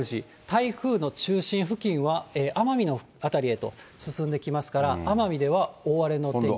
台風の中心付近は奄美の辺りへと進んできますから、奄美では大荒れのお天気。